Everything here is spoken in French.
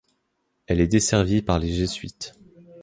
Elle est desservie par les jésuites.